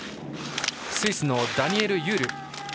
スイスのダニエル・ユール。